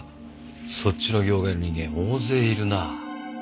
そっちの業界の人間大勢いるな。